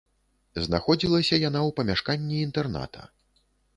Знаходзілася яна ў памяшканні інтэрната.